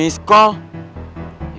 tingelinya mortal banget braina